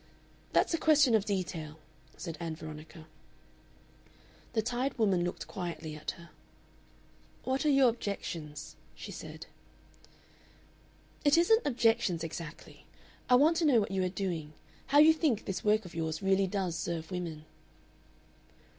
"That's a question of detail," said Ann Veronica. The tired woman looked quietly at her. "What are your objections?" she said. "It isn't objections exactly. I want to know what you are doing; how you think this work of yours really does serve women."